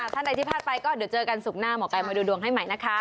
ท่านใดที่พลาดไปก็เดี๋ยวเจอกันศุกร์หน้าหมอไก่มาดูดวงให้ใหม่นะคะ